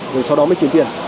rồi sau đó mới chuyển tiền